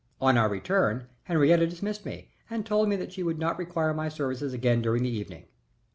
On our return, Henriette dismissed me and told me that she would not require my services again during the evening.